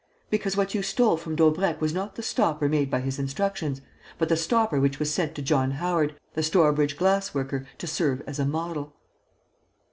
Because what you stole from Daubrecq was not the stopper made by his instructions, but the stopper which was sent to John Howard, the Stourbridge glassworker, to serve as a model."